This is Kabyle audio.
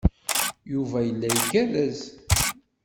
Yuba yella igerrez.